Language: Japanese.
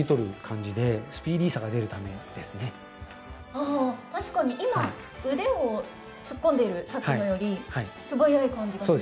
あ確かに今腕を突っ込んでいるさっきのより素早い感じがしますね。